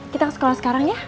kita sekolah sekarang ya